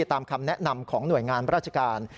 ตามคำแนะนำของหน่วยงานราชการ